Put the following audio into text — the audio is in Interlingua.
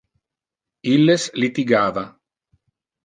Illes litigava.